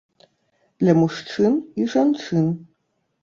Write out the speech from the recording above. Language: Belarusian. Для мужчын і жанчын.